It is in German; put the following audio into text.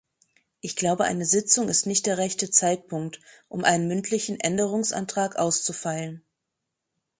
Ich glaube, eine Sitzung ist nicht der rechte Zeitpunkt, um einen mündlichen Änderungsantrag auszufeilen.